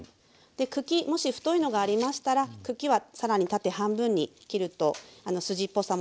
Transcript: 茎もし太いのがありましたら茎は更に縦半分に切ると筋っぽさもなくて食べやすくなります。